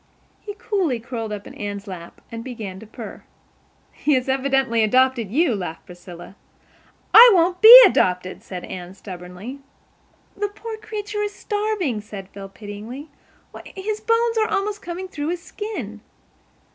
He coolly curled up in Anne's lap and began to purr. "He has evidently adopted you," laughed Priscilla. "I won't BE adopted," said Anne stubbornly. "The poor creature is starving," said Phil pityingly. "Why, his bones are almost coming through his skin."